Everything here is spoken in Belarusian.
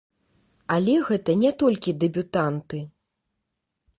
Але гэта не толькі дэбютанты.